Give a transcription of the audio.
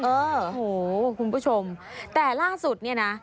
โอ้โหคุณผู้ชมแต่ล่าสุดเนี่ยนะ